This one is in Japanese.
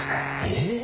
え。